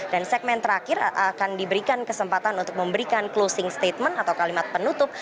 dan segmen terakhir akan diberikan kesempatan untuk memberikan closing statement atau kalimat penutup